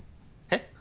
えっ？